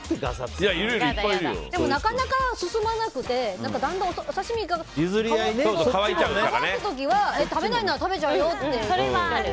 でも、なかなか進まなくてだんだんお刺し身が乾く時は食べないなら食べちゃうよって。